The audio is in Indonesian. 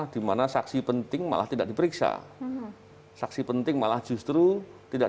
masa ada bersuatu perkara dimana saksi penting malah tidak diperiksa saksi penting malah justru tidak